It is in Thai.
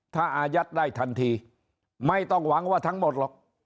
ถ้าอายัดได้ทันทีไม่ต้องหวังว่าทั้งหมดหรอก